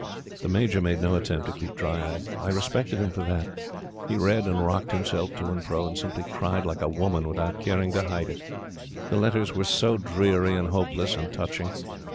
The Major made no attempt to keep dry eyed. I respected him for that. He read and rocked himself to and fro, and simply cried like a woman without caring to hide it. The letters were so dreary and hopeless and touching.